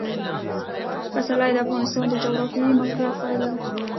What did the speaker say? پسرلی د افغانستان د جغرافیایي موقیعت پایله ده.